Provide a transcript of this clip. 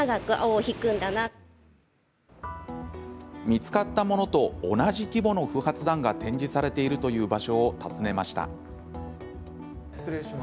見つかったものと同じ規模の不発弾が展示されているという場所を訪ねました。